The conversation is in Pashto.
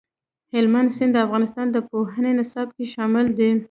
هلمند سیند د افغانستان د پوهنې نصاب کې شامل دي.